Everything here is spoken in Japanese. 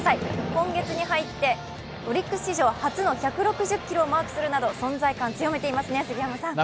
今月に入ってオリックス史上１６０キロをマークするなど、存在感強めていますね、杉山さん。